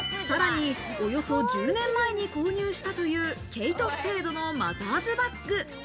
さらに、およそ１０年前に購入したというケイトスペードのマザーズバッグ。